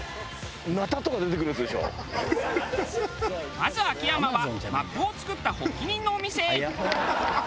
まず秋山はマップを作った発起人のお店へ。